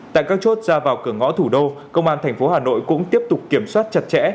tại các chốt ra vào cửa ngõ thủ đô công an thành phố hà nội cũng tiếp tục kiểm soát chặt chẽ